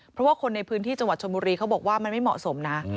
เพราะว่าคนในพื้นที่จังหวัดชนบุรีเขาบอกว่ามันไม่เหมาะสมนะ